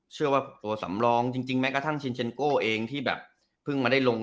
เชื่อว่าตัวสำรองจริงไหมกลายทั้งที่แบบเพิ่งมาได้ลง